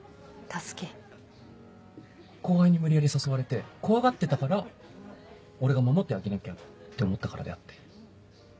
後輩に無理やり誘われて怖がってたから俺が守ってあげなきゃって思ったからであって。